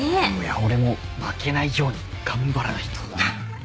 俺も負けないように頑張らないと。